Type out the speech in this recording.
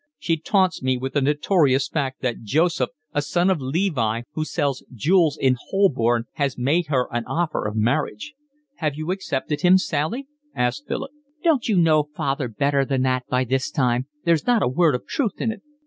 "She taunts me with the notorious fact that Joseph, a son of Levi who sells jewels in Holborn, has made her an offer of marriage." "Have you accepted him, Sally?" asked Philip. "Don't you know father better than that by this time? There's not a word of truth in it."